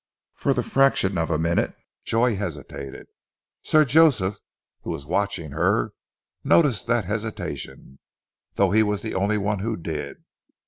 For the fraction of a minute Joy hesitated. Sir Joseph, who was watching her, noticed that hesitation, though he was the only one who did.